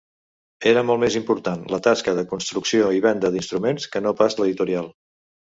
Era molt més important la tasca de construcció i venda d'instruments que no pas l'editorial.